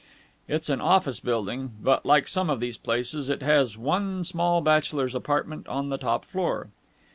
It is an office building, but, like some of these places, it has one small bachelor's apartment on the top floor."